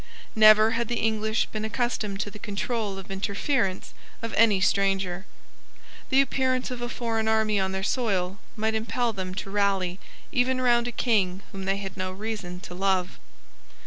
Never had the English been accustomed to the control of interference of any stranger. The appearance of a foreign army on their soil might impel them to rally even round a King whom they had no reason to love.